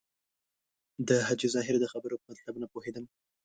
د حاجي ظاهر د خبرو په مطلب نه پوهېدم.